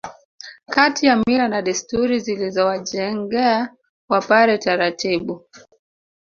Kati ya mila na desturi zilizowajengea Wapare taratibu